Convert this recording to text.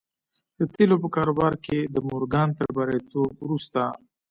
د تيلو په کاروبار کې د مورګان تر برياليتوب وروسته.